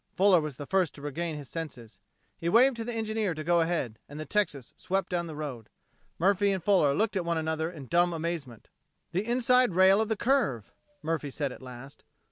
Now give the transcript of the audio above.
Fuller was the first to regain his senses. He waved to the engineer to go ahead, and the Texas swept down the road. Murphy and Fuller looked at one another in dumb amazement. "The inside rail of the curve," Murphy said at last.